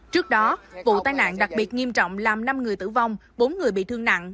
trước đó vụ tai nạn đặc biệt nghiêm trọng làm năm người tử vong bốn người bị thương nặng